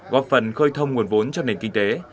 góp phần khơi thông nguồn vốn cho nền kinh tế